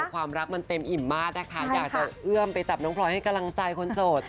ความรักมันเต็มอิ่มมากนะคะอยากจะเอื้อมไปจับน้องพลอยให้กำลังใจคนโสด